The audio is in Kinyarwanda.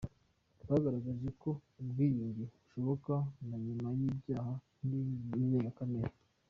Bagaragaje ko ubwiyunge bushoboka na nyuma y’ibyaha nk’ibi ndengakamere.”